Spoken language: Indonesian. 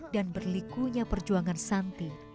dan berlikunya perjuangan santi